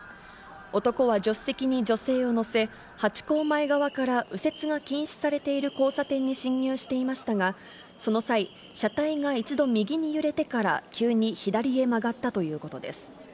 男は助手席に女性を乗せ、ハチ公前側から右折が禁止されている交差点に進入していましたが、その際、車体が一度右に揺れてから、急に左へ曲がったということです。